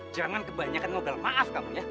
jangan kebanyakan modal maaf kamu ya